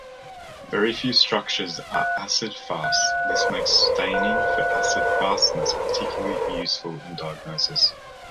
Very few structures are acid-fast; this makes staining for acid-fastness particularly useful in diagnosis.